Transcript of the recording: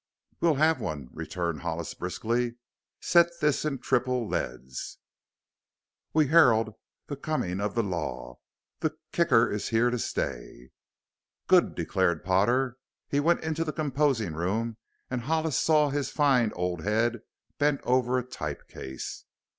"We'll have one," returned Hollis briskly. "Set this in triple leads: 'We Herald the Coming of the Law! The Kicker is Here to Stay!'" "Good!" declared Potter. He went into the composing room and Hollis saw his fine old head bent over a type case.